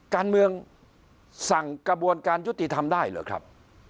การเมืองสั่งกระบวนการยุติธรรมได้เหรอครับ